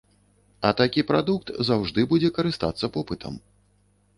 А такі прадукт заўжды будзе карыстацца попытам.